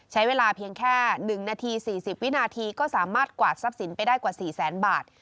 ใช้เวลาเพียงแค่๑นาที๔๐วินาทีก็สามารถกวาดทรัพย์สินไปได้กว่า๔แสนบาท